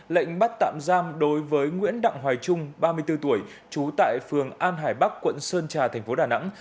lệnh bắt tạm giam đối với nguyễn đặng hoài trung ba mươi bốn tuổi trú tại phường an hải bắc quận sơn trà thành phố đà nẵng